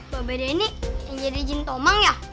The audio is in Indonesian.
babe denny yang jadi jin tomang ya